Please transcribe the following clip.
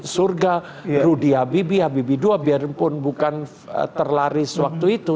surga rudy habibie habibie ii biarpun bukan terlaris waktu itu